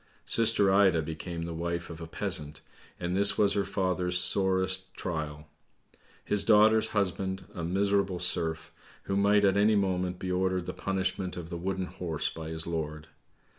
Sister Ida became the wife of a peasant, and this was her father's sorest trial. His daughter's husband a miserable serf, who might at any moment be ordered the punishment of the wooden horse by his lord.